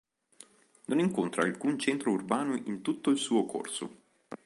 Non incontra alcun centro urbano in tutto il suo corso.